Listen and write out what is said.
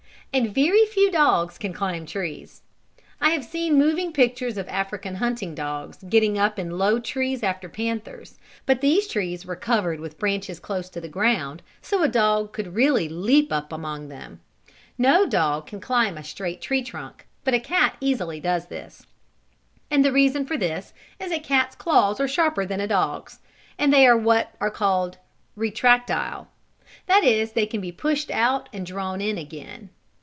And very few dogs can climb trees. I have seen moving pictures of African hunting dogs getting up in low trees after panthers, but these trees were covered with branches close to the ground, so a dog could really leap up among them. No dog can climb a straight tree trunk, but a cat easily does this. And the reason for this is that a cat's claws are sharper than a dog's, and they are what are called "retractile." That is they can be pushed out and drawn in again.